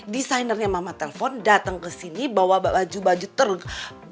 desainernya mama telpon dateng kesini bawa baju baju terbagusnya terbaiknya